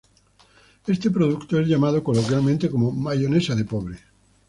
Este producto es llamado coloquialmente como "mayonesa de pobre".